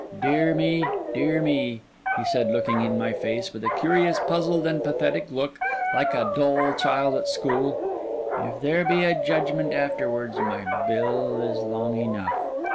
Dear me, dear me,' he said, looking in my face with a curious, puzzled, and pathetic look, like a dull child at school, 'if there be a judgment afterwards, my bill is long enough.